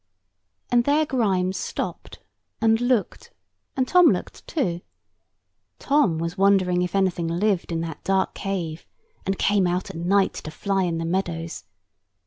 And there Grimes stopped, and looked; and Tom looked too. Tom was wondering whether anything lived in that dark cave, and came out at night to fly in the meadows.